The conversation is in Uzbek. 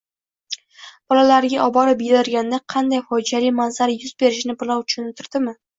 bolalariga oborib yedirganda qanday fojeali manzara yuz berishini birov tushuntirdimi?